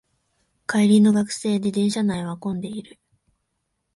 帰りの学生で電車内は混んでいる